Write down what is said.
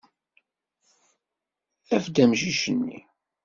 Af-d amcic-nni.